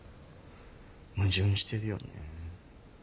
矛盾してるよね。